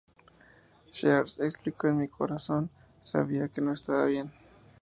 Shears explicó “En mi corazón sabía que no estaba bien.